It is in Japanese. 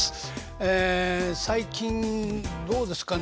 ええ最近どうですかね。